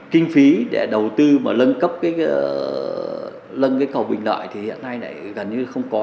kinh phí để đầu tư mà lân cấp cái cầu bình lợi thì hiện nay gần như không có